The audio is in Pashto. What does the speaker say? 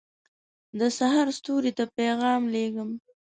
دسحرستوري ته پیغام لېږم